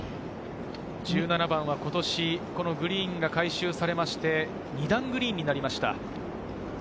１７番は今年グリーンが改修されて２段グリーンになりました。